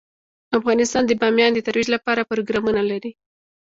افغانستان د بامیان د ترویج لپاره پروګرامونه لري.